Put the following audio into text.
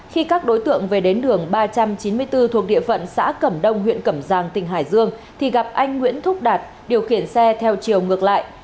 khi các đối tượng về đến đường ba trăm chín mươi bốn thuộc địa phận xã cẩm đông huyện cẩm giang tỉnh hải dương thì gặp anh nguyễn thúc đạt điều khiển xe theo chiều ngược lại